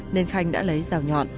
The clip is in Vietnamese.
nên khanh đã lấy rào nhọn